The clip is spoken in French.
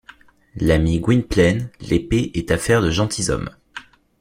L’ami Gwynplaine, l’épée est affaire de gentilshommes.